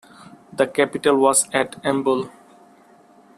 The capital was at Mbul.